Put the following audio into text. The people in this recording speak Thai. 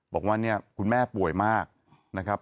บอกว่าเนี่ยคุณแม่ป่วยมากนะครับ